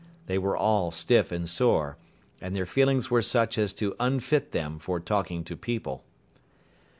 They were all stiff and sore, and their feelings were such as to unfit them for talking to people.